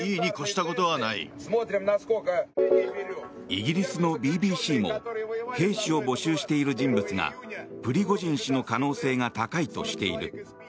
イギリスのＢＢＣも兵士を募集している人物がプリゴジン氏の可能性が高いとしている。